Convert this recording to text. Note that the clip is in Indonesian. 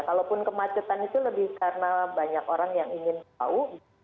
kalaupun kemacetan itu lebih karena banyak orang yang ingin tahu